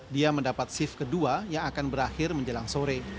dia mendapat shift kedua yang akan berakhir menjelang sore